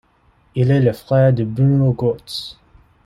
Il est le frère de Bruno Götze.